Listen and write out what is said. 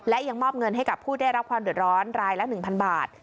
และยังมอบเงินให้กับผู้ได้รับความเดือดร้อนรายละ๑๐๐บาท